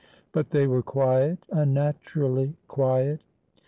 But they were quiet — unnaturally quiet.